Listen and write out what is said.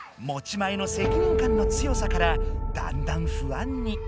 持ち前の責任感の強さからだんだん不安に。